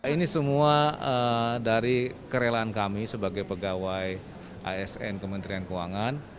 ini semua dari kerelaan kami sebagai pegawai asn kementerian keuangan